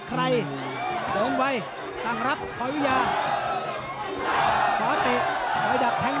หรือว่าผู้สุดท้ายมีสิงคลอยวิทยาหมูสะพานใหม่